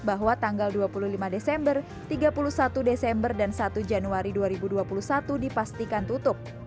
bahwa tanggal dua puluh lima desember tiga puluh satu desember dan satu januari dua ribu dua puluh satu dipastikan tutup